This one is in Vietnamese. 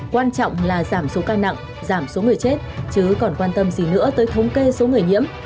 quan trọng là giảm số ca nặng giảm số người chết chứ còn quan tâm gì nữa tới thống kê số người nhiễm